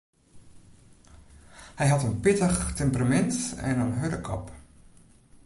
Hy hat in pittich temperamint en in hurde kop.